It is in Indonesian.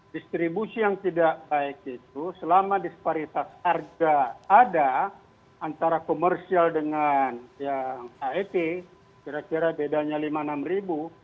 distribusi yang tidak baik itu selama disparitas harga ada antara komersial dengan yang het kira kira bedanya rp lima puluh enam ribu